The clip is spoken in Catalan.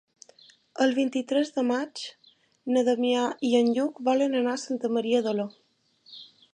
El vint-i-tres de maig na Damià i en Lluc volen anar a Santa Maria d'Oló.